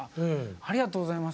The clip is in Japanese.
ありがとうございます。